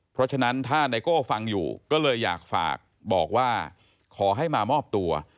เพราะฉะนั้นถ้าไนโก้ฟังอยู่ก็เลยอยากฝากบอกว่าขอให้มามอบตัว